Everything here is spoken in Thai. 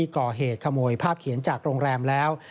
ก่อเหตุขโมยภาพเขียนจากโรงแรมแล้ว